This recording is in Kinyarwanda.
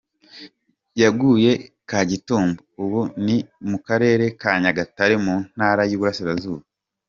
Yaguye i Kagitumba, ubu ni mu Karere ka Nyagatare mu Ntara y’Uburasirazuba.